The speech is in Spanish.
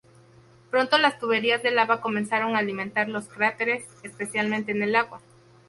Pronto las tuberías de lava comenzaron a alimentar los cráteres, especialmente en el agua.